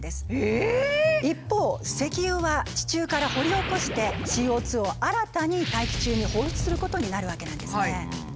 一方石油は地中から掘り起こしてＣＯを新たに大気中に放出することになるわけなんですね。